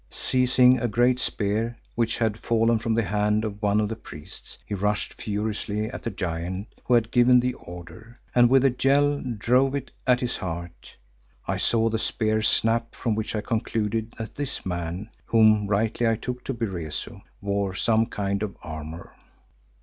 Seizing a great spear which had fallen from the hand of one of the priests, he rushed furiously at the giant who had given the order, and with a yell drove it at his heart. I saw the spear snap, from which I concluded that this man, whom rightly I took to be Rezu, wore some kind of armour.